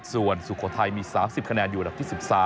ส่วนสุโขทัยมี๓๐คะแนนอยู่อันดับที่๑๓